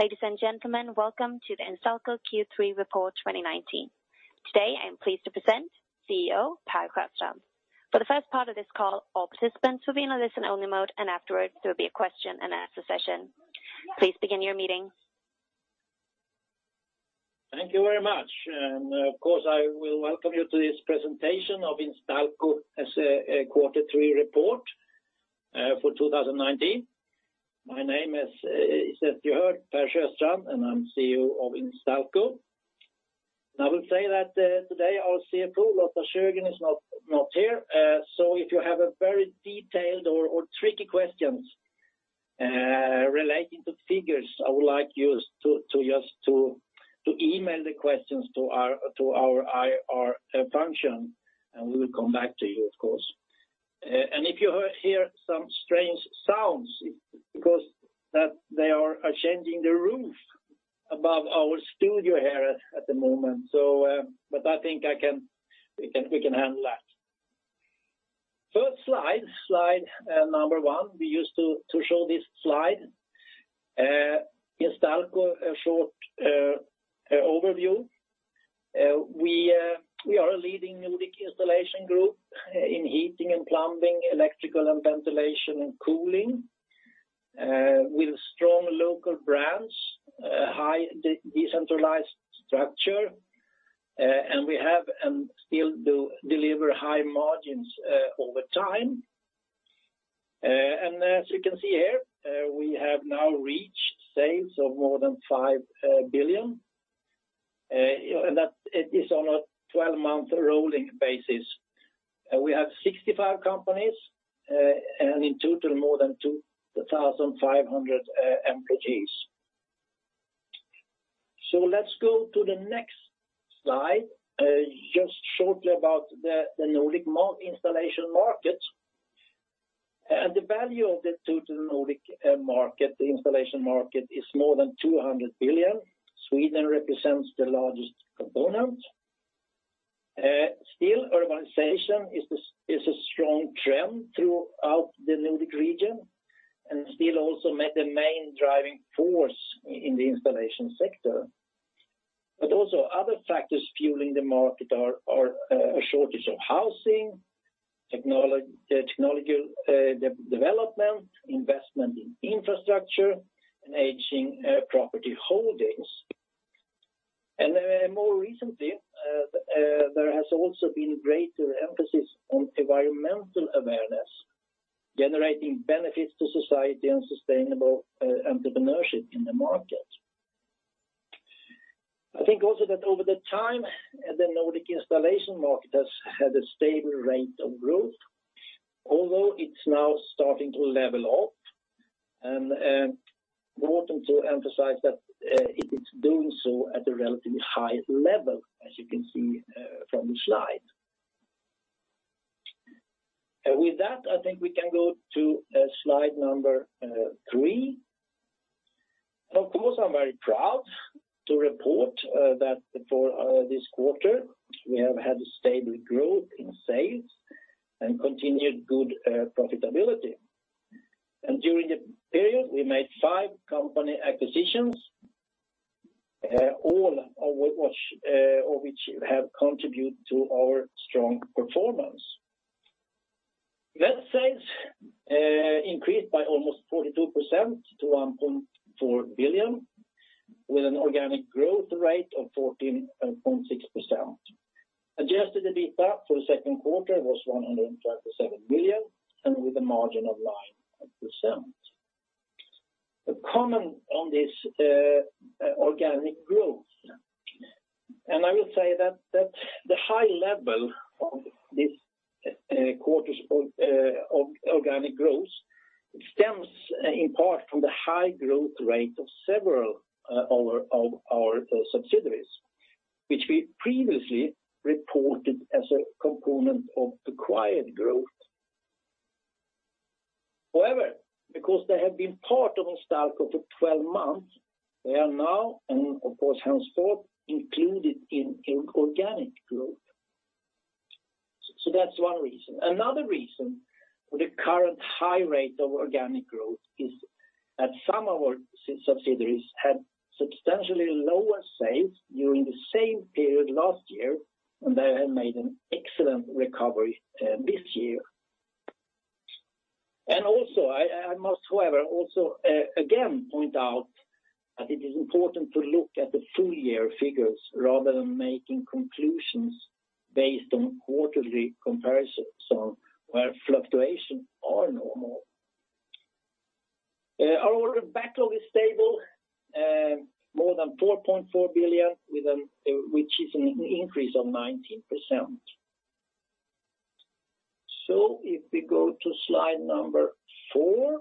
Ladies and gentlemen, welcome to the Instalco Q3 Report 2019. Today, I am pleased to present CEO Per Sjöstrand. For the first part of this call, all participants will be in a listen-only mode, and afterwards there will be a question and answer session. Please begin your meeting. Thank you very much. Of course, I will welcome you to this presentation of Instalco as a quarter three report for 2019. My name is, as you heard, Per Sjöstrand, and I'm CEO of Instalco. I will say that today our CFO, Lotta Sjögren, is not here. If you have a very detailed or tricky questions relating to figures, I would like you to just email the questions to our IR function. We will come back to you, of course. If you hear some strange sounds, it's because they are changing the roof above our studio here at the moment. I think we can handle that. First slide number one. We used to show this slide. Instalco, a short overview. We are a leading Nordic installation group in heating and plumbing, electrical and ventilation and cooling, with strong local brands, a high decentralized structure. We have and still do deliver high margins over time. As you can see here, we have now reached sales of more than 5 billion. That is on a 12-month rolling basis. We have 65 companies, and in total, more than 2,500 employees. Let's go to the next slide, just shortly about the Nordic installation market. The value of the total Nordic market, the installation market, is more than 200 billion. Sweden represents the largest component. Still, urbanization is a strong trend throughout the Nordic region and still also the main driving force in the installation sector. Also other factors fueling the market are a shortage of housing, technological development, investment in infrastructure, and aging property holdings. More recently, there has also been greater emphasis on environmental awareness, generating benefits to society and sustainable entrepreneurship in the market. I think also that over time, the Nordic installation market has had a stable rate of growth, although it's now starting to level off, and important to emphasize that it is doing so at a relatively high level, as you can see from the slide. With that, I think we can go to slide number three. Of course, I'm very proud to report that for this quarter, we have had a stable growth in sales and continued good profitability. During the period, we made five company acquisitions, all of which have contributed to our strong performance. Net sales increased by almost 42% to 1.4 billion, with an organic growth rate of 14.6%. Adjusted EBITDA for the second quarter was 137 million and with a margin of 9%. A comment on this organic growth. I will say that the high level of this quarter's organic growth stems in part from the high growth rate of several of our subsidiaries, which we previously reported as a component of acquired growth. However, because they have been part of Instalco for 12 months, they are now and of course henceforth, included in organic growth. That's one reason. Another reason for the current high rate of organic growth is that some of our subsidiaries had substantially lower sales during the same period last year. They have made an excellent recovery this year. I must however, also again point out that it is important to look at the full-year figures rather than making conclusions based on quarterly comparisons where fluctuations are normal. Our order backlog is stable, more than 4.4 billion, which is an increase of 19%. If we go to slide number four,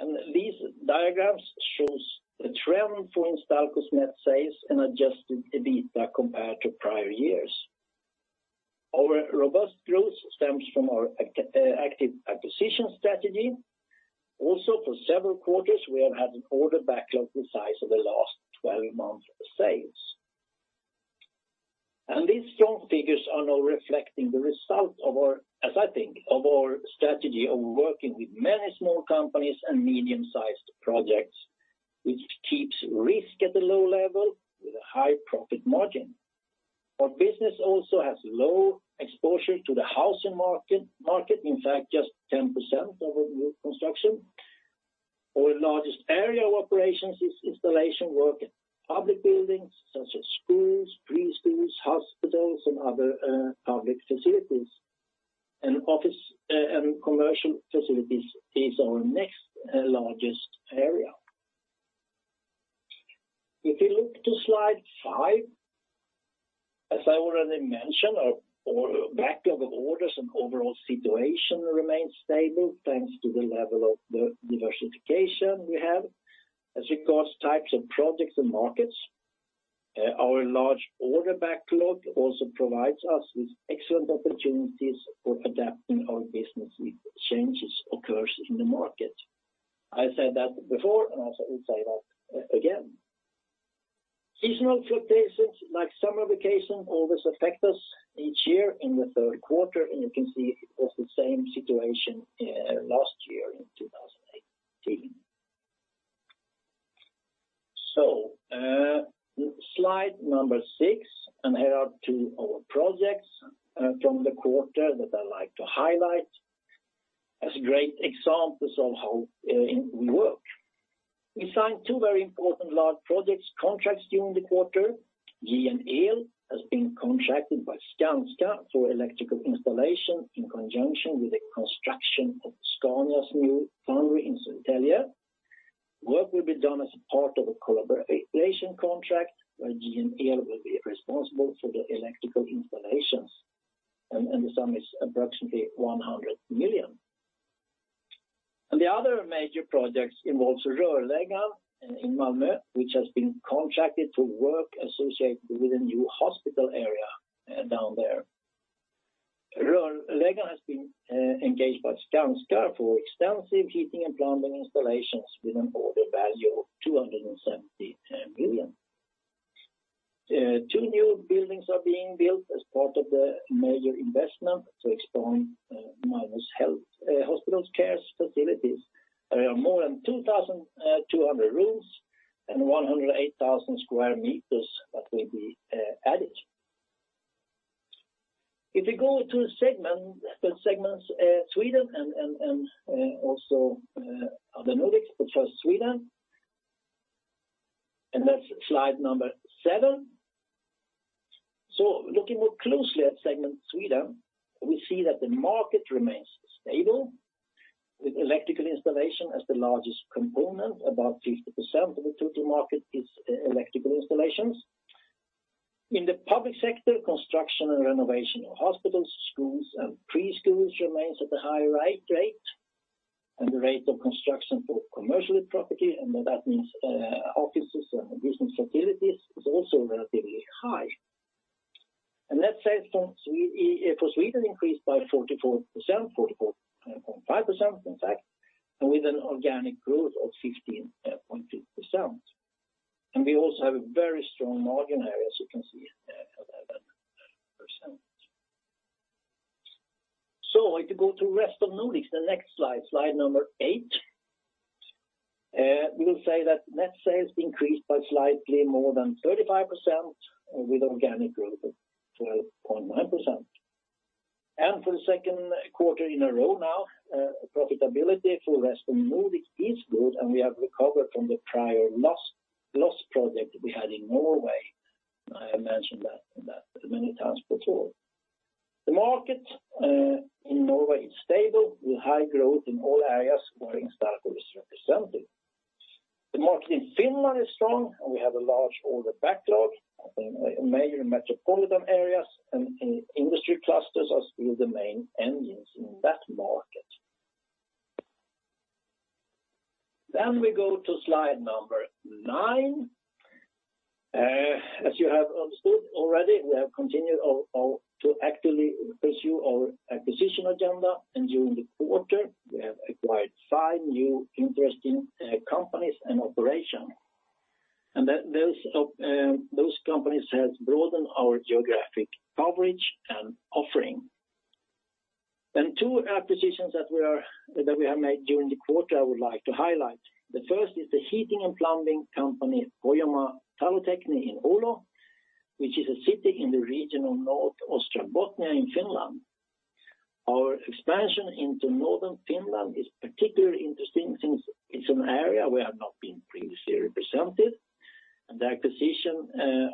and this diagram shows the trend for Instalco's net sales and adjusted EBITDA compared to prior years. Our robust growth stems from our active acquisition strategy. For several quarters, we have had an order backlog the size of the last 12-month sales. These strong figures are now reflecting the result, as I think, of our strategy of working with many small companies and medium-sized projects, which keeps risk at a low level with a high profit margin. Our business also has low exposure to the housing market, in fact, just 10% of our construction. Our largest area of operations is installation work at public buildings such as schools, preschools, hospitals, and other public facilities. Office and commercial facilities is our next largest area. If you look to slide five, as I already mentioned, our backlog of orders and overall situation remains stable thanks to the level of diversification we have as regards types of projects and markets. Our large order backlog also provides us with excellent opportunities for adapting our business if changes occurs in the market. I said that before, and I will say that again. Seasonal fluctuations like summer vacation always affect us each year in the third quarter, and you can see it was the same situation last year in 2018. Slide number six, and here are two of our projects from the quarter that I'd like to highlight as great examples of how we work. We signed two very important large projects contracts during the quarter. JN El has been contracted by Skanska for electrical installation in conjunction with the construction of Scania's new foundry in Södertälje. Work will be done as part of a collaboration contract where JN El will be responsible for the electrical installations, and the sum is approximately 100 million. The other major project involves Rörläggaren in Malmö, which has been contracted to work associated with a new hospital area down there. Rörläggaren has been engaged by Skanska for extensive heating and plumbing installations with an order value of 270 million. Two new buildings are being built as part of the major investment to expand Malmö's hospital care facilities. There are more than 2,200 rooms and 108,000 sq m that will be added. If you go to the segments Sweden and also Rest of Nordics, which was Sweden, and that's slide number seven. Looking more closely at segment Sweden, we see that the market remains stable with electrical installation as the largest component. About 50% of the total market is electrical installations. In the public sector, construction and renovation of hospitals, schools, and preschools remains at a high rate. The rate of construction for commercial property, and that means offices and business facilities, is also relatively high. Let's say for Sweden increased by 44%, 44.5% in fact, with an organic growth of 15.2%. We also have a very strong margin area, as you can see, 11%. If you go to Rest of Nordics, the next slide number eight, we will say that net sales increased by slightly more than 35% with organic growth of 12.9%. For the second quarter in a row now, profitability for Rest of Nordics is good, and we have recovered from the prior loss project we had in Norway. I mentioned that many times before. The market in Norway is stable with high growth in all areas where Instalco is represented. The market in Finland is strong, and we have a large order backlog in major metropolitan areas, and industry clusters are still the main engines in that market. We go to slide nine. As you have understood already, we have continued to actively pursue our acquisition agenda, and during the quarter, we have acquired five new interesting companies and operations. Those companies have broadened our geographic coverage and offering. Two acquisitions that we have made during the quarter I would like to highlight. The first is the heating and plumbing company Pohjanmaan Talotekniikka in Oulu, which is a city in the region of North Ostrobothnia in Finland. Our expansion into Northern Finland is particularly interesting since it's an area we have not been previously represented, and the acquisition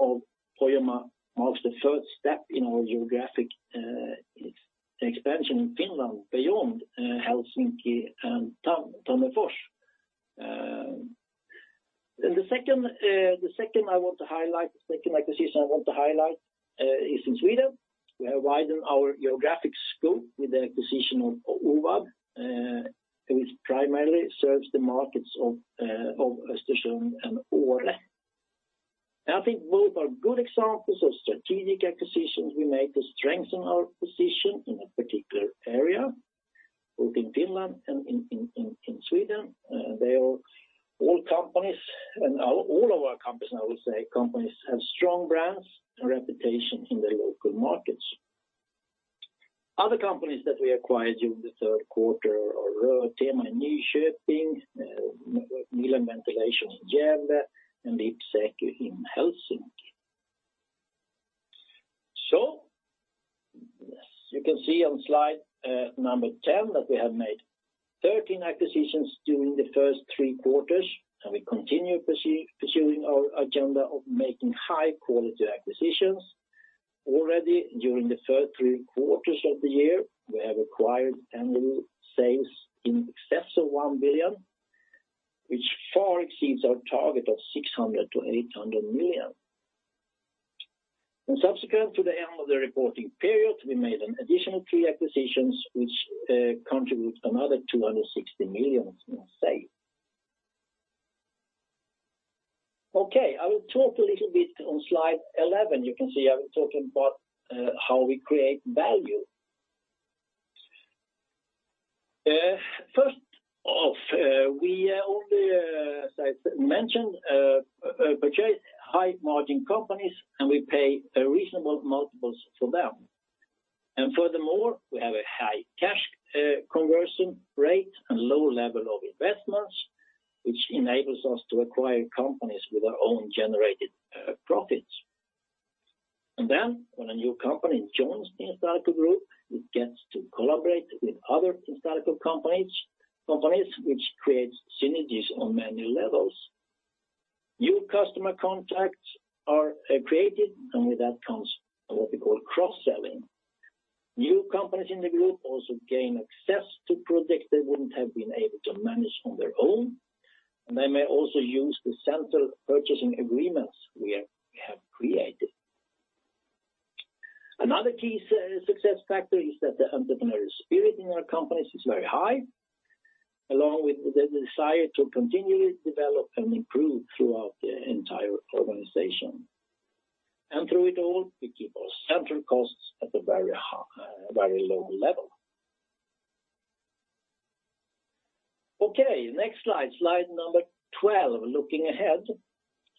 of Pohjanmaan marks the third step in our geographic expansion in Finland beyond Helsinki and Tammerfors. The second acquisition I want to highlight is in Sweden. We have widened our geographic scope with the acquisition of OVAB, which primarily serves the markets of Östersund and Åre. I think both are good examples of strategic acquisitions we made to strengthen our position in a particular area, both in Finland and in Sweden. They are all companies, and all of our companies, I would say, have strong brands and reputation in their local markets. Other companies that we acquired during the third quarter are Rörtema in Nyköping, Miller Ventilation in Skövde, and IP-Tek i Helsingfors. You can see on slide number 10 that we have made 13 acquisitions during the first three quarters, and we continue pursuing our agenda of making high-quality acquisitions. Already during the first three quarters of the year, we have acquired annual sales in excess of 1 billion, which far exceeds our target of 600 million-800 million. Subsequent to the end of the reporting period, we made an additional three acquisitions, which contributes another 260 million in sales. Okay. I will talk a little bit on slide 11. You can see I'm talking about how we create value. First off, we only, as I mentioned, purchase high-margin companies, and we pay reasonable multiples for them. Furthermore, we have a high cash conversion rate and low level of investments, which enables us to acquire companies with our own generated profits. Then when a new company joins the Instalco Group, it gets to collaborate with other Instalco companies, which creates synergies on many levels. New customer contacts are created, with that comes what we call cross-selling. New companies in the group also gain access to projects they wouldn't have been able to manage on their own, and they may also use the central purchasing agreements we have created. Another key success factor is that the entrepreneurial spirit in our companies is very high, along with the desire to continually develop and improve throughout the entire organization. Through it all, we keep our central costs at a very low level. Okay. Next slide number 12, looking ahead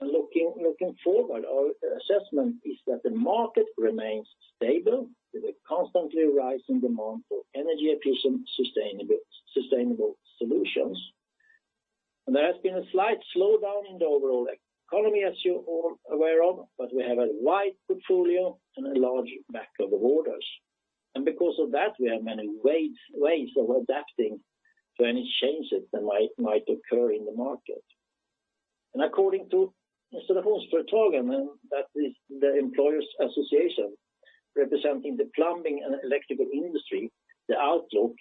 and looking forward, our assessment is that the market remains stable with a constantly rising demand for energy efficient, sustainable solutions. There has been a slight slowdown in the overall economy, as you're all aware of, but we have a wide portfolio and a large bank of orders. Because of that, we have many ways of adapting to any changes that might occur in the market. According to Hantverksföretagen, that is the employers association representing the plumbing and electrical industry, the outlook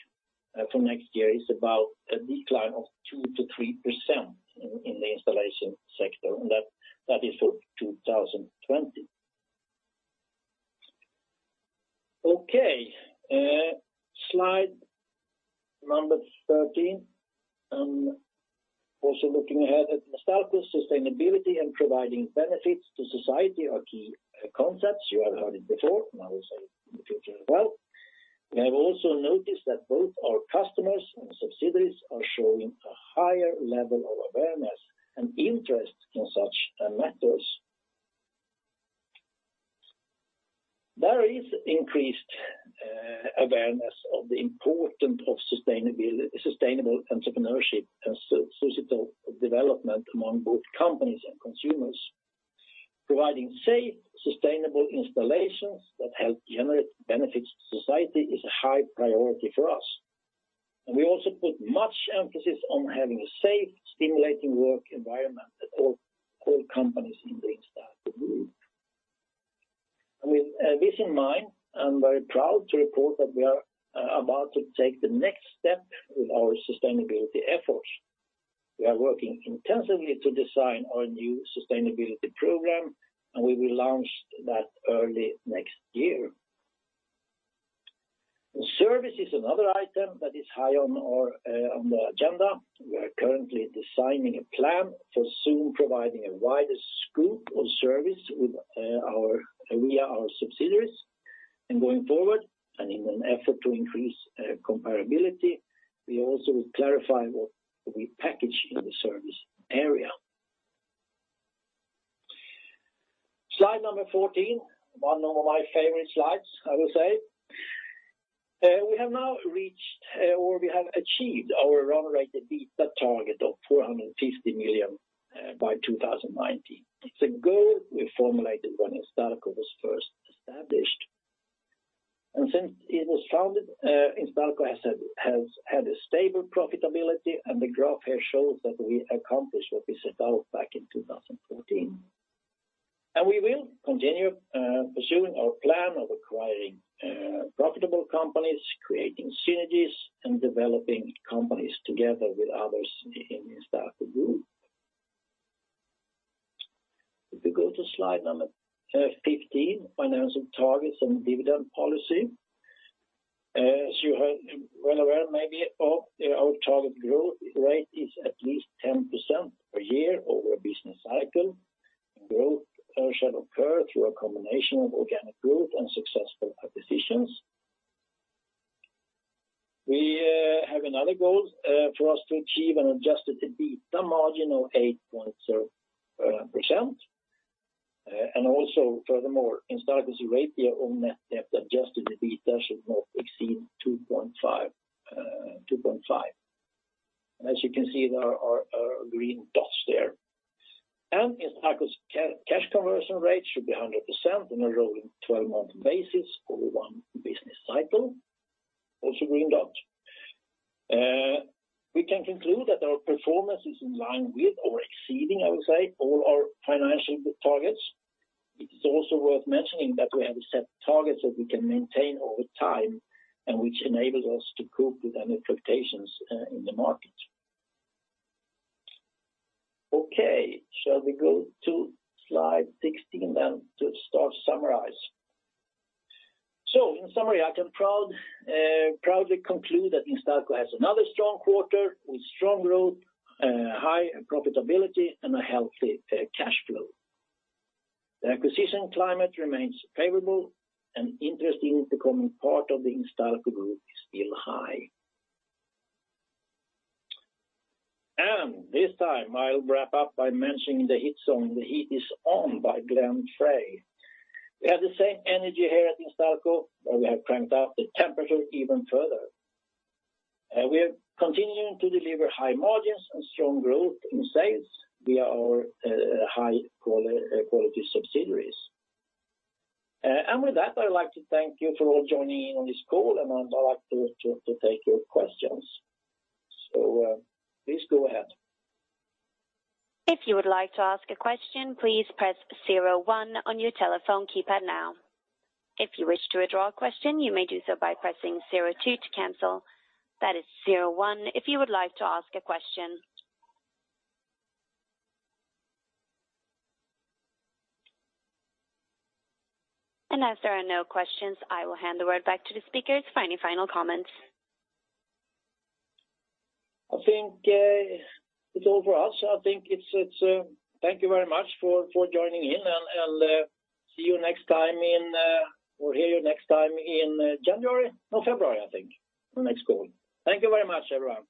for next year is about a decline of 2%-3% in the installation sector, and that is for 2020. Okay. Slide number 13. Looking ahead at Instalco, sustainability and providing benefits to society are key concepts. You have heard it before. I will say it in the future as well. We have also noticed that both our customers and subsidiaries are showing a higher level of awareness and interest in such matters. There is increased awareness of the importance of sustainable entrepreneurship and societal development among both companies and consumers. Providing safe, sustainable installations that help generate benefits to society is a high priority for us. We also put much emphasis on having a safe, stimulating work environment at all companies in the Instalco Group. With this in mind, I'm very proud to report that we are about to take the next step with our sustainability efforts. We are working intensively to design our new sustainability program. We will launch that early next year. Service is another item that is high on the agenda. We are currently designing a plan for soon providing a wider scope of service with our subsidiaries. Going forward, and in an effort to increase comparability, we also will clarify what we package in the service area. Slide number 14, one of my favorite slides, I will say. We have now reached, or we have achieved our run rate EBITDA target of 450 million by 2019. It's a goal we formulated when Instalco was first established. Since it was founded, Instalco has had a stable profitability, and the graph here shows that we accomplished what we set out back in 2014. We will continue pursuing our plan of acquiring profitable companies, creating synergies, and developing companies together with others in Instalco Group. If we go to slide number 15, financial targets and dividend policy. As you are well aware maybe of our target growth rate is at least 10% per year over a business cycle. Growth shall occur through a combination of organic growth and successful acquisitions. We have another goal for us to achieve an adjusted EBITDA margin of 8.0%. Also furthermore, Instalco's ratio on net debt adjusted EBITDA should not exceed 2.5. As you can see, there are green dots there. Instalco's cash conversion rate should be 100% on a rolling 12-month basis over one business cycle. Also green dot. We can conclude that our performance is in line with or exceeding, I would say, all our financial targets. It is also worth mentioning that we have set targets that we can maintain over time and which enables us to cope with any fluctuations in the market. Okay, shall we go to slide 16 then to start summarize. In summary, I can proudly conclude that Instalco has another strong quarter with strong growth, high profitability, and a healthy cash flow. The acquisition climate remains favorable, and interest in becoming part of the Instalco Group is still high. This time I'll wrap up by mentioning the hit song "The Heat Is On" by Glenn Frey. We have the same energy here at Instalco, but we have cranked up the temperature even further. We are continuing to deliver high margins and strong growth in sales via our high-quality subsidiaries. With that, I would like to thank you for all joining in on this call, and I'd like to take your questions. Please go ahead. If you would like to ask a question, please press 01 on your telephone keypad now. If you wish to withdraw a question, you may do so by pressing 02 to cancel. That is 01 if you would like to ask a question. As there are no questions, I will hand the word back to the speakers for any final comments. I think it's all for us. Thank you very much for joining in, and see you next time or hear you next time in January, no, February, I think, for the next call. Thank you very much, everyone.